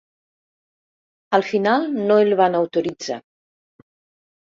Al final no el van autoritzar.